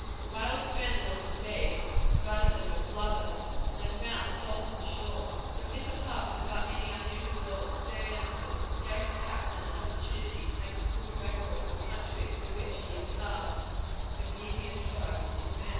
A whale stranded on the beach provided them with blubber, and they found salt on the shore. The winter passed without any unusual experiences, and gave the captain an opportunity to make a full record of the country through which he had passed, and of the Indian tribes he had met.